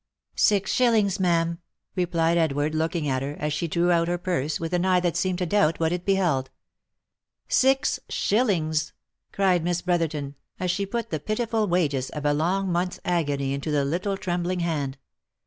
Six shillings, ma'am," replied Edward, looking at her, as she drew out her purse, with an eye that seemed to doubt what it beheld. « Six shillings !" cried Miss Brotherton, as she put the pitiful wages of a long month's agony into the little trembling hand.